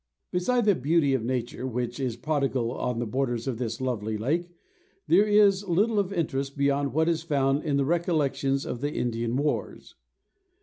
Beside the beauty of nature, which is prodigal on the borders of this lovely lake, there is little of interest beyond what is found in the recollections of the Indian wars.